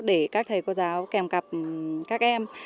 để các thầy cô giáo kèm cặp các em